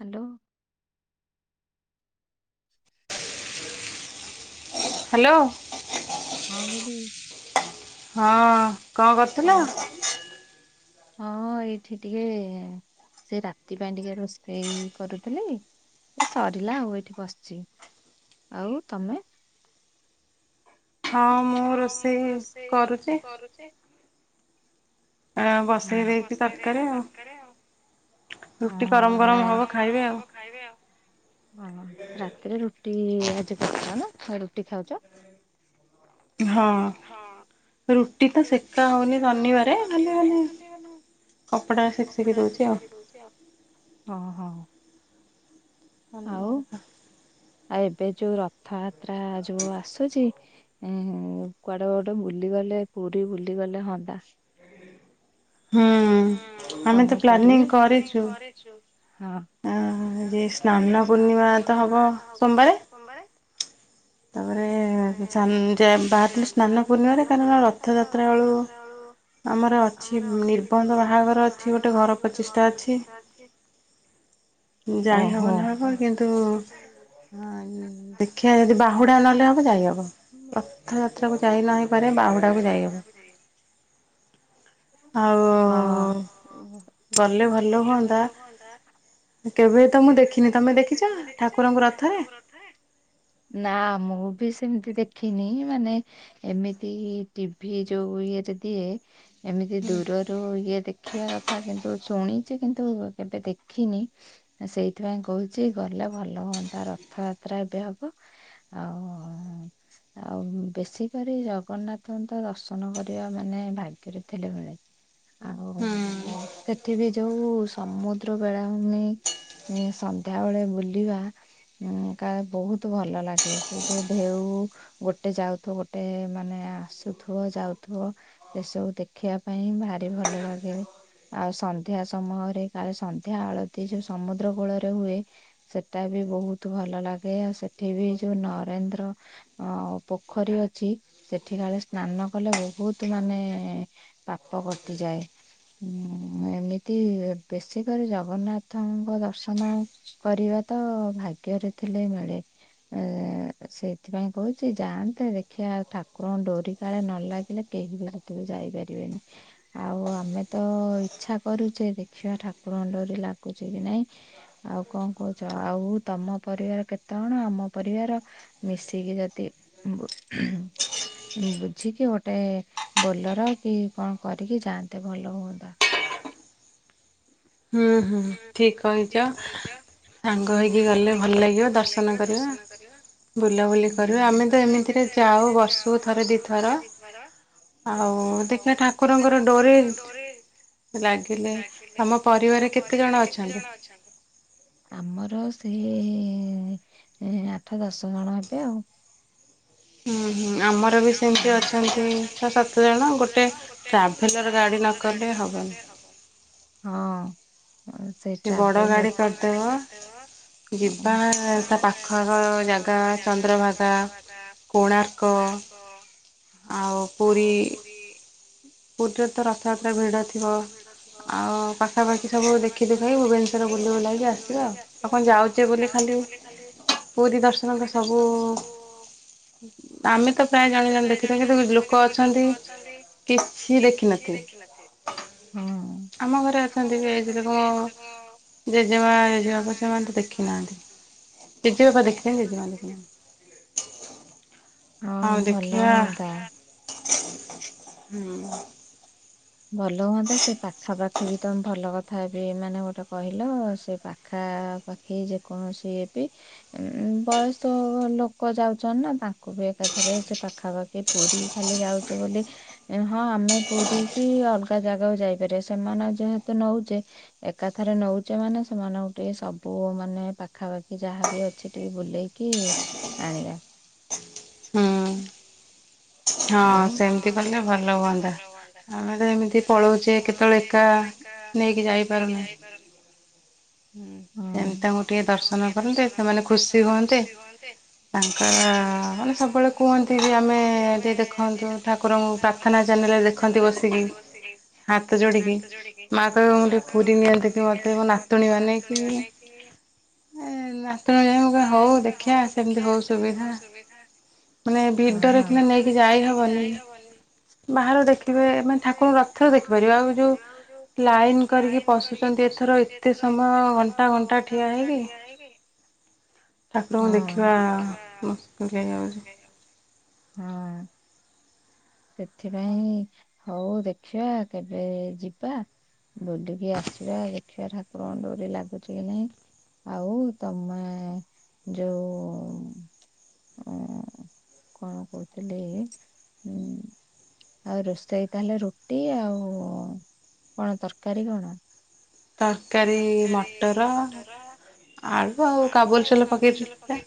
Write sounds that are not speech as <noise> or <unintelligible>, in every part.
Hello. Hello. ହଁ ଦିଦି। ହଁ କଣ କରୁଥିଲ? ହଁ ଏଇଠି ଟିକେ ସେଇ ରାତି ପାଇଁ ଟିକେ ରୋଷେଇ କରୁଥିଲି। ଏ ସରିଲା ଆଉ ଏଇଠି ବସିଛି ଆଉ ତମେ? ହଁ ମୁଁ ରୋଷେଇ କରୁଛି। ବସେଇ ଦେଇଛି ତରକାରୀ ଆଉ। ୱାଓ ନାଇ ଗରମ ଗରମ ହବ ଖାଇବି ଆଉ। ଓ ରାତିରେ ରୁଟି ଆଜି କରୁଛ ନା ରୁଟି ଖାଉଛ? ହଁ ରୁଟ୍ ରୁଟି ତ ସେକା ହଉନି ଶନିବାରେ ମାନେ ମାନେ କପଡା ସେଖିକି ଦଉଛି ଆଉ। ହଁ ହଁ। <inaudible> ଆଉ ଏବେ ଯୋଉ ରଥଯାତ୍ରା ଯୋଉ ଆସୁଛି। କୁଆଡେ ଗୋଟେ ବୁଲିଗଲେ ପୁରୀ ବୁଲି ଗଲେ ହଅନ୍ତା। ହୁଁ। ତମ ପରିବେ ସ୍ନାନ ପୂର୍ଣ୍ଣିମା ତ ହବ ସୋମବାରେ। ତାପରେ ଯ ବାହାରିଥିଲି ସ୍ନାନ ପୂର୍ଣ୍ଣିମାରେ କାରଣ ରଥଯାତ୍ରା ବେଳକୁ ଆମର ଅଛି ନିର୍ବନ୍ଧ ବାହାଘର ଅଛି ଗୋଟେ ଘର ପଚିଶଟା ଅଛି। ଯାଇ ହବ ନା କଣ କିନ୍ତୁ ଆଁ ଦେଖିବା ଯଦି ବା ବାହୁଡ଼ା ନହେଲେ ହେବ ଯାଇହବ ରଥଯାତ୍ରାକୁ ଯାଇନହେଇପାରେ ବାହୁଡ଼ାକୁ ଯାଇହବ। ଆଉ ଗଲେ ଭଲ ହୁଅନ୍ତା କେବେ ବି ତ ମୁଁ ଦେଖିନି, ତମେ ଦେଖିଛ ଠାକୁରଙ୍କୁ ରଥରେ? ନାଁ। ମୁଁ ବି ସେମିତି ଦେଖିନି ମାନେ ଏମିତି ଟିଭି ଯୋଉ ଇଏରେ ଦିଏ ଏମିତି ଦୂର ଟିକେ ଦେଖିବା କଥା କିନ୍ତୁ ଶୁଣିଛି କିନ୍ତୁ କେବେ ଦେଖିନି ସେଇଥିପାଇଁ କହୁଛି ଗଲେ ଭଲ ହୁଅନ୍ତା ରଥଯାତ୍ରା ଏବେ ହବ ଆଉ ଆଉ ବେଶୀ କରି ଜଗନ୍ନାଥଙ୍କୁ ତ ଦର୍ଶନ କରିବା ମାନେ ଭାଗ୍ୟରେ ଥିଲେ ମିଳେ। ଆଉ ଉଁ ସେଠି ବି ଯୋଉ ସମୁଦ୍ର ବେଳା ଭୂମି। ହୁଁ ସନ୍ଧ୍ୟାବେେଳେ ବୁଲିବା ଉଁ କା ବହୁତ ଭଲ ଲାଗେ ସେ ଯୋଉ ଢ଼େ ଜୋଉ ଗୋଟେ ଯାଉଥିବ ଗୋଟେ ମାନେ ଆସୁଥିବ ଯାଉଥିବ ସେସବୁ ଦେଖି ଦେଖିବା ପାଇଁ ଭାରି ଭଲ ଲାଗେ। ଆଉ ସନ୍ଧ୍ୟା ସମୟରେ କାଳେ ସନ୍ଧ୍ୟା ଆଳତି ଯୋଉ ସମୁଦ୍ରକୂଳରେ ହୁଏ ସେଟା ବି ବି ବହୁତ ଭଲ ଲାଗେ ଆଉ ସେଠିବି ଯୋଉ ନରେନ୍ଦ୍ର ଅ ପୋଖରୀ ଅଛି। ସେଠି କାଳେ ସ୍ନାନ କଲେ ବହୁତ ମାନେ ପାପ କଟ ଟି ଯାଏ ଉଁ ଏମିତି ବେଶୀ କରି ଜଗନ୍ନାଥଙ୍କ ଦର୍ଶନ କରିବା ତ ଭାଗ୍ୟରେ ଥିଲେ ମିଳେ, ଏଏ ସେଥିପାଇଁ କହୁଛି ଯାଆନ୍ତେ ଦେଖିବା ଆଉ ଠାକୁରଙ୍କ ଡୋରି କାଳେ ନ ଲାଗିଲେ କେହି ବି ସେଠିକୁ ଯାଇପାରିବେନି। ଆଉ ଆମ ଆମେ ତ ଇଛା କରୁଛେ ଦେଖିବା ଠାକୁରଙ୍କ ଡୋରି ଲାଗୁଛି କି ନାଇଁ ଆଉ କଣ କ ହୁଛ ଆଉ ତମ ପରିବାର କେତେ ଜଣ ଆମ ପରିବାର ମିଶିକି ଯଦି ବ ବୁଝିକି ଗୋଟେ ବୋଲୋର କି କଣ କର ଯାଆନ୍ତେ ଭଲ ହୁଅନ୍ତା। ହୁଁ ହୁଁ ଠିକ କହିଛ ସାଙ୍ଗ ହେଇକି ଗଲେ ଭଲ ଲାଗିବ ଦର୍ଶନ କରିବା। ବୁଲାବୁଲି କରିବା ଆମେ ତ ଏମିତିରେ ଯାଉ ବର୍ଷକୁ ଥରେ ଦିଥର। ଆଉ ଦେଖିବା ଠାକୁରଙ୍କର ଡୋରି ଲାଗିଲେ ତମ ପରି ପରିବାରରେ କେତେ ଜଣ ଅଛନ୍ତି? ଆମର ସେ ହେଏଁ ଆଠ ଦଶ ଜଣ ହେବେ ଆଉ। ହୁଁ ହୁଁ ଆମର ବି ସେମିତି ଅଛନ୍ତି ଛଅ ସାତ ଜଣ, ଗୋଟେ ଟ୍ରାଭେଲର ଗାଡି ହଁ। ସେ ବଡ ଗାଡି କରିଦେବ ଯିବା ତା ପାଖଆଖ ଜାଗା ଚନ୍ଦ୍ରଭାଗା କୋ କୋଣାର୍କ ଆଉ ପୁରୀ <inaudible> ପୁରୀରେ ତ ରଥଯାତ୍ରା ଭିଡ ଥିବ ଆଉ ପାଖାପାଖି ସବୁ ଦେଖି ଦୁଖାକି ଭୁବନେଶ୍ୱର ବୁଲି ଭୁବନେଶ୍ୱର ବୁଲି ବୁଲେଇକି ଆସିବା ଆଉ କଣ ଯାଉଚେ ବୋଲି ଖାଲି ପୁରୀ ଦର୍ଶନଙ୍କ ସବୁ ଆମେ ତ ପ୍ରାୟ ଜଣେ ଜଣେ ଦେଖିଥାଉ କିନ୍ତୁ କି ଲୋକ ଅଛନ୍ତି କିଛି ଦେଖିନଥିବେ। ହୁଁ। ଆମ ଘରେ ଅଛନ୍ତି ସେ ଯିବାକୁ ଜେଜେମା ଜେଜେବାପା ସେମାନେ ତ ଦେଖି ନାହାନ୍ତି। ଜେଜେବାପା ଦେଖିଛନ୍ତି ଜେଜେମା ଦେଖିନାହାନ୍ତି। <inaudible> ଆଉ ଦେଖିଆ ହୁଁ। ଭଲ ହୁଅନ୍ତା ସେ ପାଖାପାଖି ବି ତମେ ଭଲ କ ଥାପି ମାନେ ଗୋଟେ କହିଲ ସେ ପାଖାପାଖି ଯେକୌଣସି ଏ ବି ଉଁ ବୟସ ଲୋକୋ ଯାଉଚନ୍ ନା ତାଙ୍କୁ ବି ଏକାଥରେ ସେ ପାଖାପାଖି ପୁରୀ ଖାଲି ଯାଉ ଚି ବୋଲି ହଁ ଆମେ ପୁରୀ ଅଲଗା ଜାଗାକୁ ଯାଇପାରିବେ ସେମାନେ ଯେହେତୁ ନୋଉଚେ ଏକାଥରେ ନୋଉଚେ ମାନେ ସେମାନଙ୍କୁ ଟିକେ ସବୁ ମାନେ ପାଖାପାଖି ଯାହାବି ଅଛି ଟିକେ ବୁଲେଇକି ଆଣିବା <inaudible> ଆଉ ଟା ନେଇକି ଯାଇପାରୁନି। ହୁଁ ସେମିତି ତାଙ୍କୁ ଟିକେ ଦର୍ଶନ କରନ୍ତେ ସେମାନେ ଖୁସି ହୁଅନ୍ତେ। ତାଙ୍କର ମାନେ ସବୁବେଳେ କୁହନ୍ତି ଯେ ଆମେ ଯେ ଦେଖନ୍ତୁ ଠାକୁରଙ୍କୁ ପ୍ରାର୍ଥନା ଚ୍ୟାନେଲରେ ଦେଖନ୍ତି ବସିକି ହାତ ଯୋଡିକି ମା କହିବ ମୁଁ ଟିକେ ପୁରୀ ନିଅନ୍ତି କି ମତେ ମୋ ନାତୁଣୀ ମାନେ କି ନାଟ ଏୟା ମୁଁ କହିବି ହୋଉ ଦେଖିଆ ସେମିତି ହୋଉ ସୁବିଧା। ମାନେ ଭିଡ଼ରେ କିନା ଭିଡ଼ରେ କିନା ନେଇକି ଯାଇହବନି। ବାହାର ଦେଖିବେ ମାନେ ଠାକୁରଙ୍କୁ ରଥରେ ଦେଖିପାରିବା ଆଉ ଯୋଉ ଲାଇନ କରିକି ପସୁଚନ୍ତି। ପସୁଚନ୍ତି ଏଥର ଏତେ ସମୟ ଘଣ୍ଟା ଘଣ୍ଟା ଠିଆ ହେଇକି। ଠାକୁରଙ୍କୁ ଦେଖିବା ମୁସ୍କିଲ୍ ହେଇଯାଉଛି। ହଁ। ସେଥିପାଇଁ ହୋଉ ଦେଖିବା କେବେ ଯିବା। ବୁଲିକି ଆସିବା ଦେଖିବା ଠାକୁରଙ୍କ ଡୋରି ଲାଗୁଚି କି ନାଇଁ। ଆଉ ତମେ ଯୋଉ ଓଃ କଣ କୋହୁଥିଲି ଉଁ। ଆଉ ରୋଷେଇ ତାହେଲେ ରୁଟି ଆଉ କଣ ତରକାରୀ କଣ ତରକାରୀ ମଟର ଆଳୁ ଆଉ କାବୁଲ ସୋଲା ପକେଇ ଦେଇଥିଲା।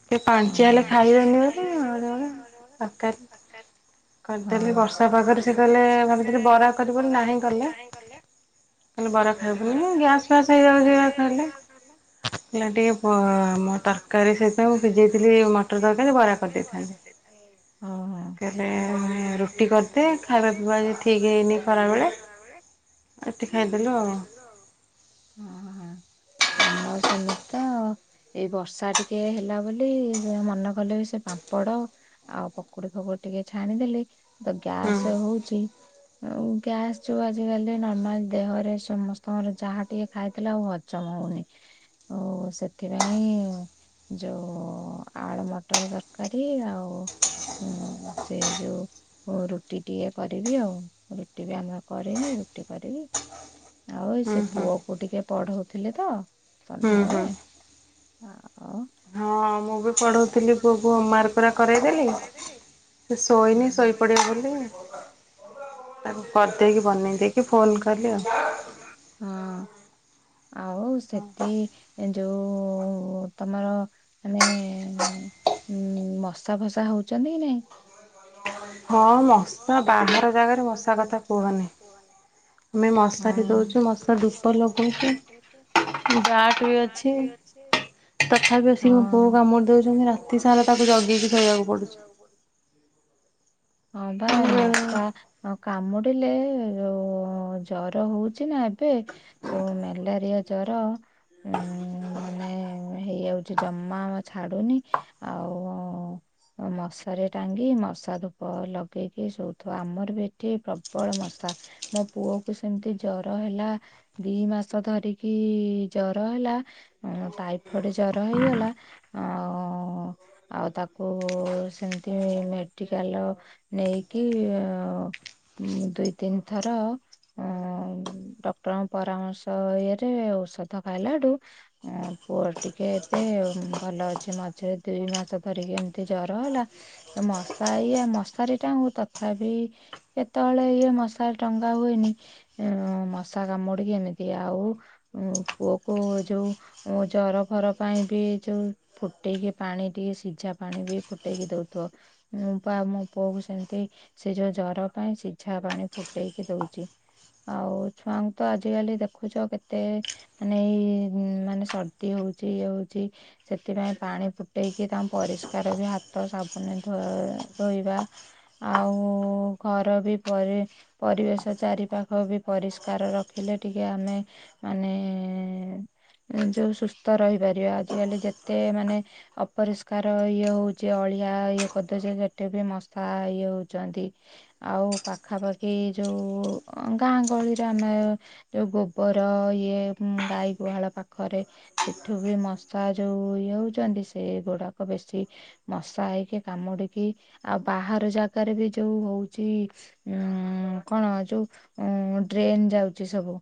ଅହଁ। କରିଦେଲି ବର୍ଷା ପାଗରେ ସେ କହିଲେ ଭାବିଥିଲି ବରା କରିବି ବୋଲି ନାହିଁ କଲେ। କହିଲେ ବରା ଖାଇବୁ ବରା ଖାଇବୁନି ଗ୍ୟାସ ଫ୍ୟାସ ହେଇଯାଉଚି। <unintelligible> ହେଲା ଟିକେ ବ ମ ତରକାରୀ ସେଇଥିପାଇଁ ମୁଁ ସିଜେଇଥିଲି ମଟର ତରକାରୀ ବରା କରିଦେଇଥାନ୍ତି। ଅହଁ। ରୁଟି କରିଦିଏ ଖାଇବା ପିଇବା ଠିକ ହେଇନି ଖରାବେଳେ। ଏଠି ଖାଇଦେଲୁ ଆଉ। ହୁଁ ହୁଁ ଆମର ସେମିତି ତ ଆଉ। ଏଇ ବର୍ଷା ଟିକେ ହେଲା ବୋଲି ମନ କଲେ ସେ ପାମ୍ପଡ ଆଉ ପକୁଡି ଫକୁଡି। ଟିକେ ଛାଣିଦେଲେ ତ ଗ୍ୟାସ ହଉଛି ଗ୍ୟାସ ଯୋଉ ଆଜିକାଲି ନର୍ମାଲ ଦେହରେ ସମସ୍ତଙ୍କର ଯାହା ଟିକେ ଖାଇଥିଲେ ଆଉ ହଜମ ହଉନି ଆଉ ସେଥିପାଇଁ ଯୋଉ ଆଳୁ ମଟର ତରକାରୀ ଆଉ ହୁଁ ସେଇ ଯୋଉ ରୁଟି ଟିକେ କରିବି ଆଉ ରୁଟି ବି ଆମର କରିଦିଏ। ରୁଟି କରିବି। ଆଉ ଏଇ ସେ ପୁଅ କୁ ଟିକେ ପଢଉଥିଲେ ତ ସନ୍ଧ୍ୟାବେେଳେ ହ ଓ, ହଁ ମୁଁ ବି ପଢଉଥିଲି ପୁଅକୁ ହୋମୱାର୍କ ଗୁରା କରେଇଦେଲି। ସେ ଶୋଇନି ଶୋଇପଡିବ ବୋଲି ତାକୁ କରିଦେଇକି ବନେଇ ଦେଇକି ଫୋନ କଲି ଆଉ। ହଁ ଆଉ ସେଠି ଯଉ ଉଁ ତମର ମାନେ ଏ ଉଁ ଉୁଁ ମଶା ଫସା ହଉଛନ୍ତି କି ନାଇ? ହଁ ମଶା ବାହାର ଜାଗାରେ ମଶା କଥା କୁହନି। ଆମେ ମଶାରି ଦଉଛୁ ମଶା ଧୂପ ଲଗଉଛୁ ବ୍ୟାଟ ବି ଅଛି। ହ ତଥାପି ଆସିକି ମୋ ପୁଅ କାମୁଡି ଦଉଛନ୍ତି, ରାତି ସାରା ତାକୁ ଜଗିକି ଶୋଇବାକୁ ପଡୁଛି। <inaudible> ହଁ ପା ମଶା, ହଁ କାମୁଡିଲେ, ଯଉ ଜର ହଉଛି ନା ଏବେ ସଉ ମ୍ୟାଲେରିଆ ଜର, ଉଁ ମାନେ ହେଇଯାଉଛି ଜମା ଛାଡୁନି ଆଉ ଉ ଓ ମଶାରୀ ଟାଙ୍ଗି ମଶା ଧୁ ପ୍ ପ ଲଗେଇକି ଶୋଉଥିବ, ଆମର ବି ଏଠି ପ୍ରବଳ ମଶା ମୋ ପୁଅ କୁ ସେମିତି ଜର। ହେଲା, ଦି ମାସ ଧରିକି ଜର ହେଲା, ଟାଇଫଏଡ ଜର ହେଇ ହେଲା ଆଉ ଆଉ ତାକୁ ସେମିତି ମେଡିକାଲ ନେଇକି ଅ ଦୁଇ ତିନି ଥର, ଡକ୍ଟରଙ୍କ ପରାମର୍ଶ ଇଏରେ ଆଉ ଔଷଧ ଖାଇଲାଠୁ ପୁଅ ଟିକେ ଏବେ ଭଲ ଅଛି, ମଝିରେ ଦୁଇ ମାସ କରିକି ଏମିତି ଜର ହେଲା, ମଶା ଏଇଆ ମ ମଶାରୀ ଟାଙ୍ଗୁ ତଥାପି କେତେବେଳେ ଇଏ ମଶାରି ଟଙ୍ଗା ହୁଏନି ଉଁ ମ ମଶା କାମୁଡିକି ଏମିତି ଆଉ ପୁଅକୁ ଯୋଉ ଜର ଫର ପାଇଁ ବି ଯୋଉ ଫୁଟେଇକି ପାଣି ଟିକେ, ସିଝା ପାଣି ବି ଫୁଟେଇକି ଦଉଥିବ ମୁଁ ପା ମୋ ପୁଅକୁ ସେମିତି ସେ ଯୋଉ ଜର ପାଇଁ, ସିଝା ପାଣି ଫୁଟେଇକି ଦଉଚି। ଆଉ ଛୁଆଙ୍କୁ ତ ଆଜିକାଲି ଦେଖୁଛ, କେତେ ମାନେ ଏଇ ମାନେ ସର୍ଦି ହଉ ହଉଛି ୟେ ହଉଛି, ସେଥିପାଇ ପାଣି ଫୁଟେଇକି ତାଙ୍କ ପରିଷ୍କାର ବି ହାତ ସାବୁନରେ ଧୁଆ ଧୋଇବା ଆଉ ଘର ବି ପରିବେଶ ଚାରିପାଖ, ବି ପରିଷ୍କାର ରଖିଲେ ଟିକେ ଆମେ ମାନେ ଏଁ ଯୋଉ ସୁସ୍ଥ ରହିପାରିବା, ଆଜିକାଲି ଯେତେ ମାନେ ଅପରିଷ୍କାର ଇଏ ହଉଛି ଅଳି ୟା ଇଏ କରିଦଉଚେ ସେଠୀ ବି ମଶା ଆ ଇଏ ହଉଛନ୍ତି, ଆଉ ପାଖାପାଖି ଯୋଉ ଗାଁ ଗହଳିରେ ଆମେ ଯୋଉ ଗୋବର ଇଏ ଗାଈ ଗୁହାଳ ପାଖରେ ସେଠୁ ବି ମଶା ଯୋଉ ଇଏ ହଉଛନ୍ତି, ସେ ଗୁଡାକ ବେଶୀ ମସା ହେଇକି କାମୁଡିକି ଆଉ ବାହାର ଜାଗାରେ ବି ଯୋଉ ହଉଛି, ଉଁ କଣ ଯୋଉ ଉଁ ଉଁ ଡ୍ରେନ୍ ଯାଉଛି ସବୁ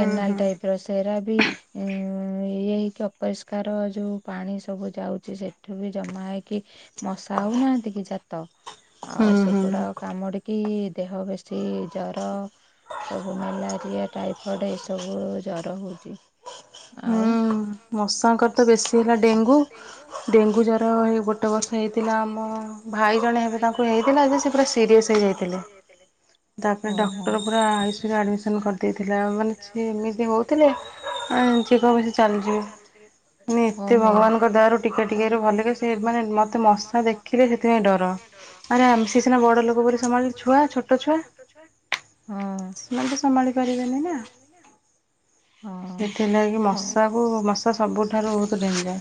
କେନାଲ ଟାଇପର ସେରାବି ଏ ହେଇକି ଅପରିଷ୍କାର ଯୋଉ ପାଣି ସବୁ ଯାଉଛି, ସେଠୁ ବି ଜମା ହେଇକି ମଶା ହଉନି। ହାନ୍ତି କି ଜାତ, ଆଉ ସେଗୁଡାକ କାମୁଡ଼ିକି ଦେହ ବେଶୀ ଜର ସବୁ ମ୍ୟାଲୋରିଆ, ଟାଇଫଏଡ ଏଇ ସବୁ ଜର ହଉଛି ଆଉ ମଶାଙ୍କର ତ ବେଶୀ ହେଲା ଡେଙ୍ଗୁ-ଡେଙ୍ଗୁ ଜର ଏ ଗୋଟେ ବର୍ଷ ହେଇଥିଲା ଆମ ଭାଇ ଜଣେ ହେବେ ତାଙ୍କୁ ହେଇଥିଲା ସେ ପୁରା ସିରିଅସ ହେଇଯାଇଥିଲେ। ତାପରେ ଡକ୍ଟର ପୁରା, ଆଇ ସି ୟୁ ରେ ଆଡମିସନ କରିଦେଇଥିଲା, ମାନେ ସେ ଏମିତି ହଉଥିଲେ। ଜିବ ବୋଧେ ଚାଲିଯିବେ ମାନେ ଏତେ ଭଗବାନଙ୍କ ଦୟାରୁ, ଟିକେ ଟିକେ ରୁ ଭଲ କି ସେ ମାନେ ମତେ ମଶା ଦେଖିଲେ ସେଥିପାଇଁ ଡର। ଡର ମାନେ ସେ ସିନା ବଡ ଲୋକ ବୋଲି, ସେମାନେ ପା ଛୁଆ ଛୋଟ ଛୁଆ ହଁ। ସେଥିଲାଗି ମଶାକୁ ମ ତ ସବୁଠାରୁ ବହୁତ ଡେଞ୍ଜର।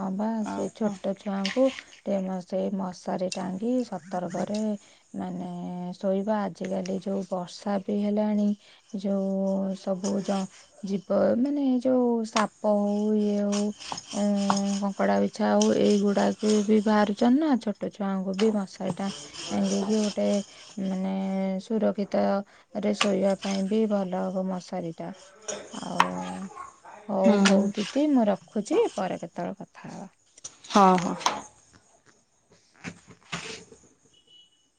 ହଁ ବା ସେଇ ଛୋଟ ଛୁଆଙ୍କୁ ତେଣୁ ସେଇ ମଶାରୀ ଟାଙ୍ଗି ସତର୍କରେ ମାନେ ଶୋଇବା ଆଜିକାଲି ଯୋଉ ବର୍ଷା ବି ହେଲାଣି ଯୋଉ ସବୁ ଯ ଜି ମାନେ ଯୋଉ ସାପ, ହଉ ଇଏ ହଉ, କଙ୍କଡା ବିଛା ହଉ, ଏଇଗୁଡା ବି ବାହାରୁଛନ୍ତି ନା, ଛୋଟ ଛୁଆଙ୍କୁ ବି ମଶାରୀ ଟାଙ୍ଗିକି ଗୋଟେ ମାନେ ସୁରକ୍ଷିତ ରେ, ଶୋଇବା ପାଇଁ ବି ଭଲ ହବ ମଶାରୀ ଟା। ଆଉ ହୁଁ। ମୁଁ ରଖୁଛି ପରେ କେତେବେଳେ କଥା ହେବା। ହଁ-ହଁ।